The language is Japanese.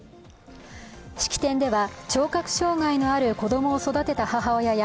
式典では、聴覚障害のある子供を育てた母親や